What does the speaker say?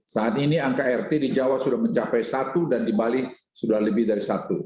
saat ini angka rt di jawa sudah mencapai satu dan di bali sudah lebih dari satu